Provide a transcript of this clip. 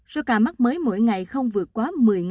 do ca mắc mới mỗi ngày không vượt quá một mươi